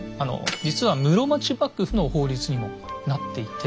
実は室町幕府の法律にもなっていて。